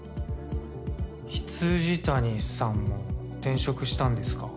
未谷さんも転職したんですか？